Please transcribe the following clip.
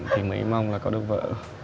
thì mới mong là có được vợ